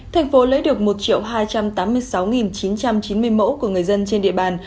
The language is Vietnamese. thành phố lấy được một hai trăm tám mươi sáu chín trăm chín mươi mẫu của người dân trên địa bàn